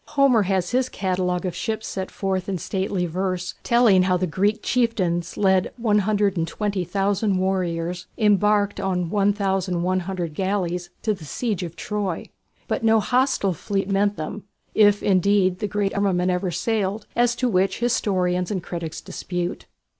Homer has his catalogue of ships set forth in stately verse, telling how the Greek chieftains led 120,000 warriors embarked on 1100 galleys to the siege of Troy. But no hostile fleet met them, if indeed the great armament ever sailed, as to which historians and critics dispute.